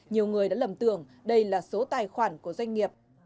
nhiều người đã lầm tưởng đây là số tài khoản của doanh nghiệp